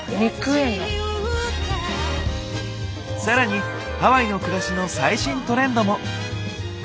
更にハワイの暮らしの最新トレンドも！